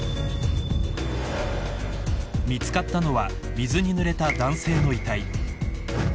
［見つかったのは水にぬれた男性の遺体］